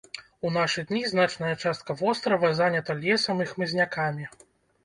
У нашы дні значная частка вострава занята лесам і хмызнякамі.